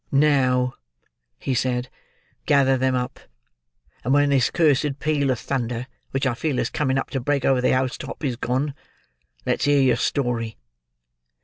"Now," he said, "gather them up; and when this cursed peal of thunder, which I feel is coming up to break over the house top, is gone, let's hear your story."